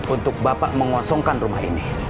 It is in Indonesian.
untuk bapak mengosongkan rumah ini